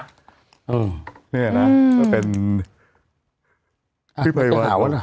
นี่แหละมันเป็นพี่ไปว่า